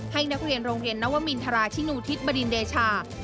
ให้นักเรียนโรงเรียนนวมินทราชินูทิศบดินเดชา